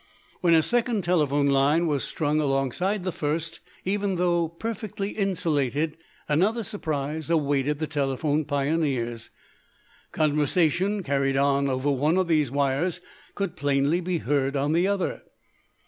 When a second telephone line was strung alongside the first, even though perfectly insulated, another surprise awaited the telephone pioneers. Conversation carried on over one of these wires could plainly be heard on the other.